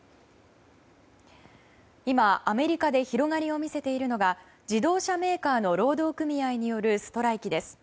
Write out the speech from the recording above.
今、アメリカで広がりを見せているのが自動車メーカーの労働組合によるストライキです。